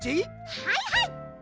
はいはい！